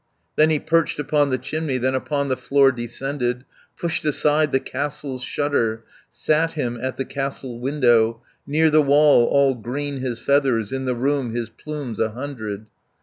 "Then he perched upon the chimney, Then upon the floor descended, Pushed aside the castle's shutter, Sat him at the castle window, Near the wall, all green his feathers, In the room, his plumes a hundred.